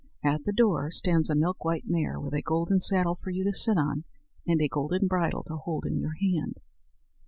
At the door stands a milk white mare, with a golden saddle for you to sit on, and a golden bridle to hold in your hand."